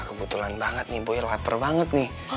kebetulan banget nih boy lapar banget nih